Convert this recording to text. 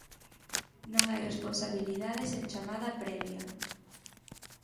Non hai responsabilidade sen chamada previa.